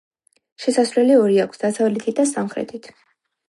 შესასვლელი ორი აქვს: დასავლეთით და სამხრეთით.